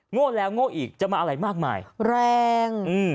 โดดแล้วโง่อีกจะมาอะไรมากมายแรง